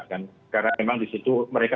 karena memang disitu mereka